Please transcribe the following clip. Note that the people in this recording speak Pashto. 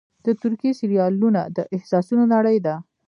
د ترکیې سریالونه د احساسونو نړۍ ده.